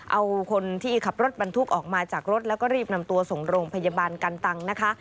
เอาคนที่ขับรถบรรทุกออกมาจากรถแล้วก็รีบนำตัวส่งโรงพยาบาลกันตังนะคะ